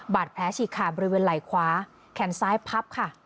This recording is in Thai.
บาดแผลฉีกขาดบริเวณไหล่ขวาแขนซ้ายพับค่ะ